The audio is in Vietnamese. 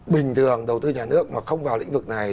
bình thường đầu tư nhà nước mà không vào lĩnh vực này